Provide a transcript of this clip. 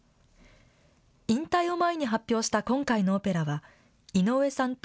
引退を前に発表した今回のオペラは井上さんと